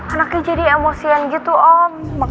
anaknya jadi emosian gitu om